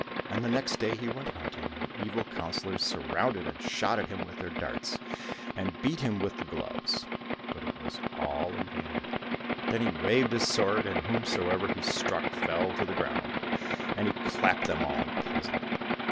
And the next day he went hunting, and the evil counsellors surrounded and shot at him with their darts, and beat him with the gloves ; but it was all in vain. Then he waved his sword, and whomsoever he struck fell to the ground, and he clapped them all in prison.